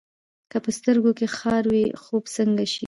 که په سترګو کې خار وي، خوب څنګه شي؟